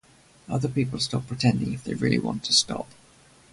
Other people stop pretending if they really want to stop.